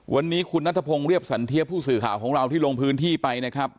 วันนี้คุณนัทพงศ์เรียบสันเทียผู้สื่อข่าวของเราที่ลงพื้นที่ไปนะครับ